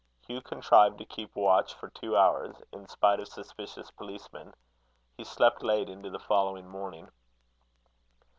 Hugh contrived to keep watch for two hours, in spite of suspicious policemen. He slept late into the following morning.